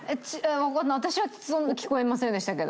私はそんな聴こえませんでしたけど。